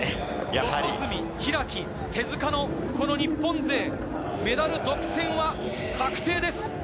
四十住、開、手塚の日本勢、メダル独占は確定です。